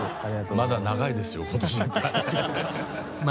まだ長いですよ今年いっぱい。